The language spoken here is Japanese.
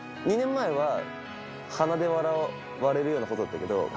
２年前は鼻で笑われるような事だったけど。